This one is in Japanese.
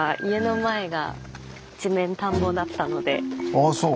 ああそう。